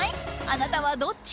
あなたはどっち？